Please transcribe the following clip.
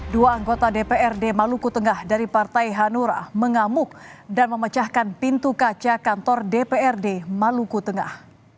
dua anggota dprd maluku tengah dari partai hanura mengamuk dan memecahkan pintu kaca kantor dprd maluku tengah